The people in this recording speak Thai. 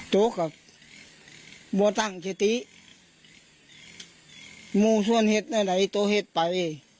โตกับบัวตั้งเฉตีโมส่วนเห็ดหน้าไหนโตเห็ดไป